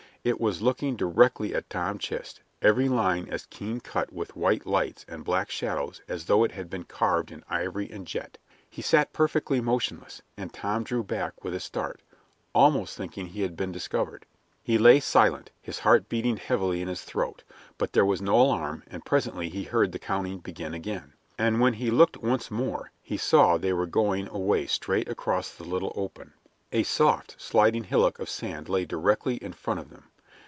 It was looking directly at Tom Chist, every line as keen cut with white lights and black shadows as though it had been carved in ivory and jet. He sat perfectly motionless, and Tom drew back with a start, almost thinking he had been discovered. He lay silent, his heart beating heavily in his throat; but there was no alarm, and presently he heard the counting begin again, and when he looked once more he saw they were going away straight across the little open. A soft, sliding hillock of sand lay directly in front of them.